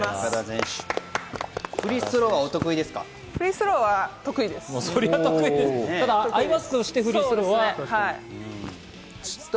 フリースローは得意ですか？